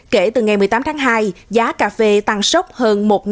kể từ ngày một mươi tám tháng hai giá cà phê tăng sốc hơn một bốn trăm linh đồng